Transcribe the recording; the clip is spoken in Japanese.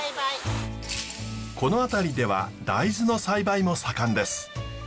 この辺りでは大豆の栽培も盛んです。